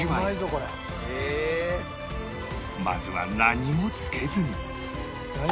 まずは何もつけずに